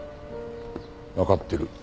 わかってる。